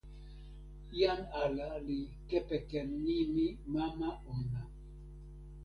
jan ala li kepeken nimi mama ona.